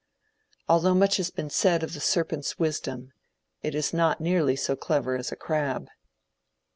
Although much has been said of the serpent's wisdom, it is not nearly so clever as a crab.